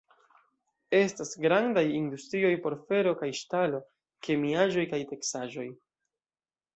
Estas grandaj industrioj por fero kaj ŝtalo, kemiaĵoj kaj teksaĵoj.